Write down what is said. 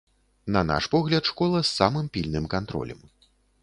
На наш погляд, школа з самым пільным кантролем.